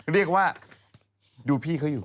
เรียกว่าดูพี่เขาอยู่